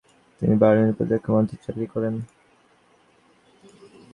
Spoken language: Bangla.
তিনি বার্লিনে প্রতিরক্ষা মন্ত্রণালয়ে চাকরি করেন।